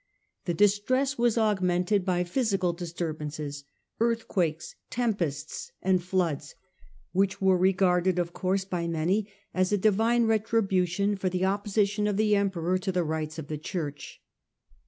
The distress was augmented by physical disturbances — earthquakes, tempests, and floods — which were regarded, of course, by many as a divine retribution for the opposition of the emperor to the rights of the Church.